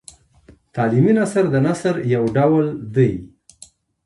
تعلیمي نثر د نثر یو ډول دﺉ.